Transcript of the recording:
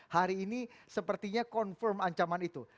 hari ini sepertinya confirm ancaman itu